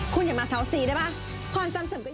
คุณอย่ามาเสาสี่ได้ป่ะ